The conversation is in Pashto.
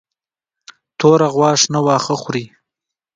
توره غوا شنه واښه خوري.